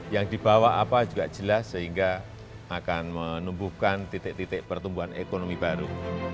yang dibawa apa juga jelas sehingga akan menumbuhkan titik titik pertumbuhan ekonomi baru